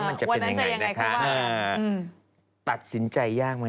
อย่าพูดอย่างนั้นเลยค่ะ